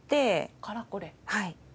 はい。